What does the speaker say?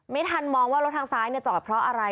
ไม่ทันมองว่ารถทางซ้ายจอดเพราะอะไร